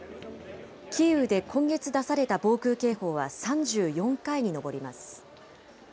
キーウで今月出された防空警報は３４回に上ります。